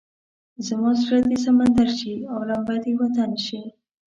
زما زړه دې سمندر شي او لمبه دې وطن شي.